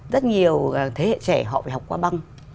rất nhiều thế hệ trẻ họ phải học qua băng